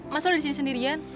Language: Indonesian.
masa lo udah disini sendirian